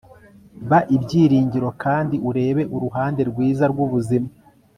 ba ibyiringiro kandi urebe uruhande rwiza rwubuzima